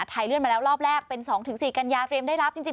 เลื่อนมาแล้วรอบแรกเป็น๒๔กันยาเตรียมได้รับจริง